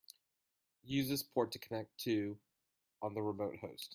Use this port to connect to on the remote host.